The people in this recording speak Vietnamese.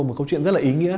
một câu chuyện rất là ý nghĩa